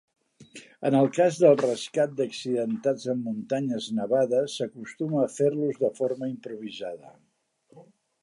En el cas del rescat d'accidentats en muntanyes nevades s'acostuma a fer-los de forma improvisada.